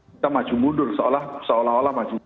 kita maju mundur seolah olah